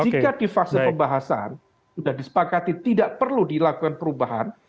jika di fase pembahasan sudah disepakati tidak perlu dilakukan perubahan